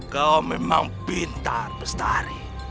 kau memang pintar bestari